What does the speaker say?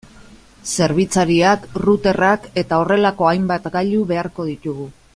Zerbitzariak, routerrak eta horrelako hainbat gailu beharko ditugu.